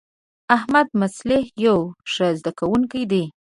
احمدمصلح یو ښه زده کوونکی دی.